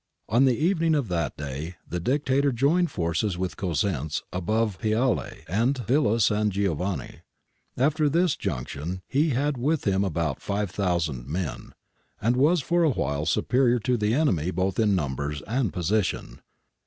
On the evening of that day the Dictator joined forces with Cosenz above Piale and Villa San Giovanni. After this junction he had with him about 5000 men, and was for a while superior to the enemy both in numbers and position.